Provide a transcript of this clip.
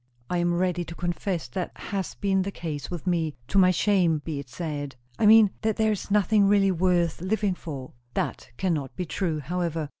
"I am ready to confess that has been the case with me, to my shame be it said." "I mean, that there is nothing really worth living for." "That cannot be true, however."